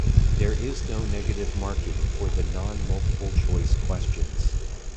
There is no negative marking for the non-multiple choice questions.